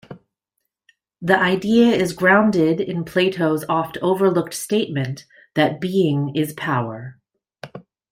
The idea is grounded in Plato's oft-overlooked statement that being is power.